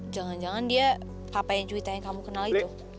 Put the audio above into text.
jangan jangan dia papa juwita yang kamu kenal itu